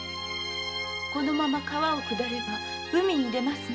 このまま川を下れば海に出ますね。